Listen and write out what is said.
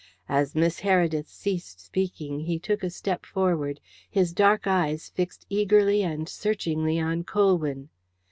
As Miss Heredith ceased speaking he took a step forward, his dark eyes fixed eagerly and searchingly on Colwyn.